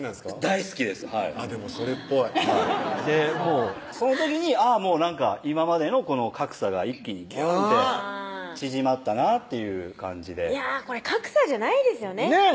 大好きですでもそれっぽいその時に今までの格差が一気にギューンって縮まったなっていう感じでこれ格差じゃないですよねねぇ